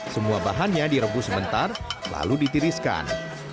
semua bahannya direbus sebentar lalu ditiriskan